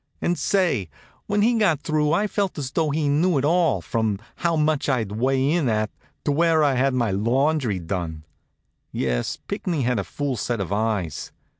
And say! when he got through I felt as though he knew it all, from how much I'd weigh in at to where I had my laundry done. Yes, Pinckney had a full set of eyes.